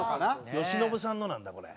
由伸さんのなんだこれ。